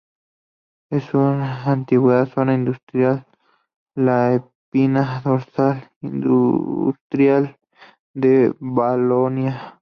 Está en una antigua zona industrial, la espina dorsal industrial de Valonia.